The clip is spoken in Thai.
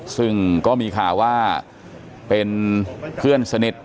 ซึ่งก็มีข่าวว่าเป็นเพื่อนสนิท